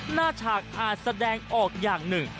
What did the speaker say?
ฉากอาจแสดงออกอย่างหนึ่ง